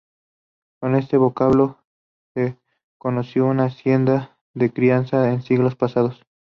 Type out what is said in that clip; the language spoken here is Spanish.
Con este vocablo se conoció una hacienda de crianza en siglos pasados.